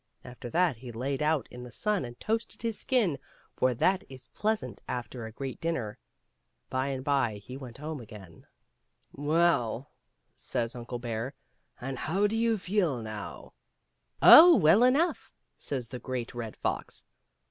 After that he laid out in the sun and toasted his skin, for that is pleasant after a great dinner. By and by he went home again. 282 HOW TWO WENT INTO PARTNERSHIP. "Well," says Uncle Bear, "and how do you feel now?" " Oh, well enough,'* says the Great Red Fox.